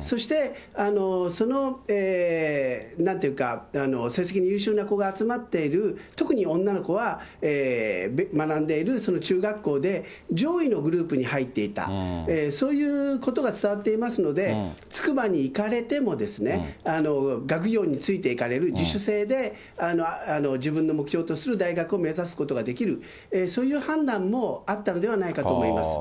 そして、なんていうか、成績の優秀な子が集まっている、特に女の子は、学んでいる中学校で、上位のグループに入っていた、そういうことが伝わっていますので、筑波に行かれても、学業についていかれる、自主性で自分の目標とする大学を目指すことができる、そういう判断もあったのではないかと思います。